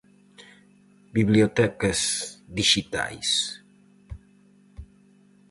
Bibliotecas dixitais.